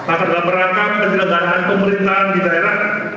akan dilaporkan oleh negara dan pemerintahan di daerah